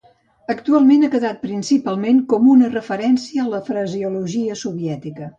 Actualment ha quedat principalment com una referència a la fraseologia soviètica.